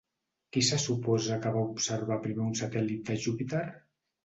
Qui se suposa que va observar primer un satèl·lit de Júpiter?